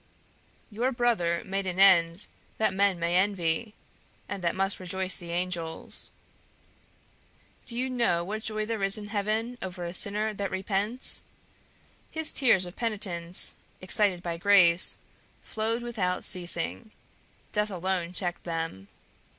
"Your brother made an end that men may envy, and that must rejoice the angels. Do you know what joy there is in heaven over a sinner that repents? His tears of penitence, excited by grace, flowed without ceasing; death alone checked them.